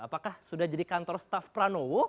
apakah sudah jadi kantor staf pranowo